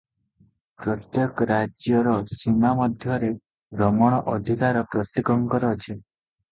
ପ୍ରତ୍ୟେକ ରାଜ୍ୟର ସୀମା ମଧ୍ୟରେ ଭ୍ରମଣ ଅଧିକାର ପ୍ରତ୍ୟେକଙ୍କର ଅଛି ।